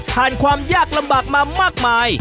ความยากลำบากมามากมาย